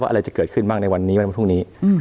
อะไรจะเกิดขึ้นบ้างในวันนี้ไหมวันพรุ่งนี้